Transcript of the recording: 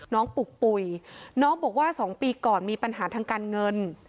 ปุกปุ๋ยน้องบอกว่า๒ปีก่อนมีปัญหาทางการเงิน